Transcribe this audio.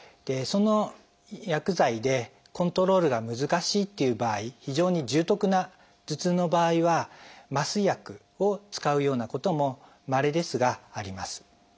その薬剤でコントロールが難しいっていう場合非常に重篤な頭痛の場合は麻酔薬を使うようなこともまれですがあります。